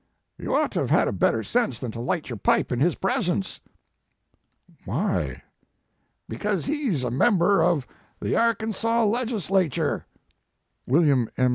l You ought to have had better sense than to light your pipe in his presence." "Why?" 86 Mark Twain " Because he s a member of the Ar kansas Legislature. " William M.